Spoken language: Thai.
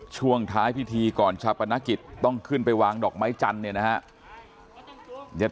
ช่วงท้ายพิธีก่อนชาปนกิจต้องขึ้นไปวางดอกไม้จันทร์เนี่ยนะฮะ